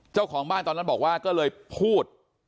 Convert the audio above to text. เจ้าของบ้านตอนนั้นบอกว่าก็เลยพูด